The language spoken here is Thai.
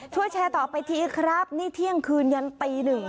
ช่วยแชร์ต่อไปทีครับนี่เที่ยงคืนยันตีหนึ่ง